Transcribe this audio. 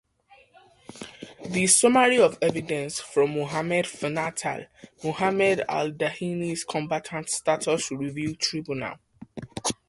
The "Summary of Evidence" from Mohammed Fenaitel Mohamed Al Daihani's Combatant Status Review Tribunal.